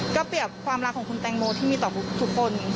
ก็เปรียบความรักของคุณแตงโมที่มีต่อทุกคน